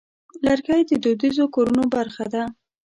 لرګی د دودیزو کورونو برخه ده.